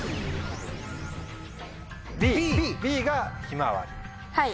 Ｂがひまわり。